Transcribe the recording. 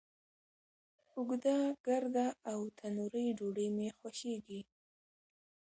اوږده، ګرده، او تنوری ډوډۍ می خوښیږی